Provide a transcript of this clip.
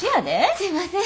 すいません。